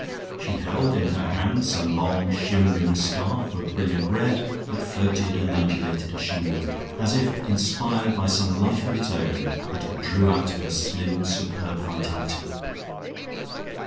She held in her hands some long shimmering scarf of brilliant red, that floated and undulated as she moved, as if inspired by some life of its own that it drew out of her slim superb vitality.